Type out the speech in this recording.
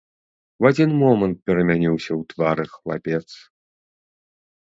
У адзін момант перамяніўся ў твары хлапец.